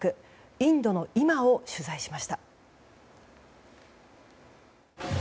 インドの今を取材しました。